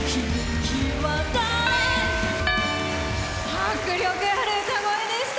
迫力ある歌声でした。